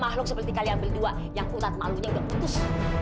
makhluk seperti kalian berdua yang kurat malunya enggak putus